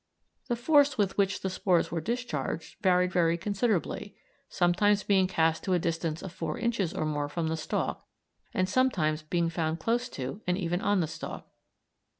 The force with which the spores were discharged varied very considerably, sometimes being cast to a distance of four inches or more from the stalk, and sometimes being found close to and even on the stalk.